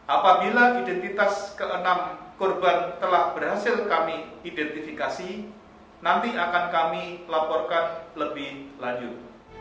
apabila identitas ke enam korban telah berhasil kami identifikasi nanti akan kami laporkan lebih lanjut